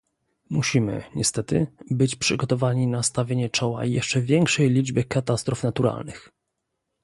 Musimy, niestety, być przygotowani na stawienie czoła jeszcze większej liczbie katastrof naturalnych